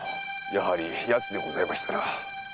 やはり奴でございましたな。